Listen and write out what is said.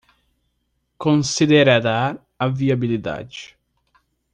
Considerará a viabilidade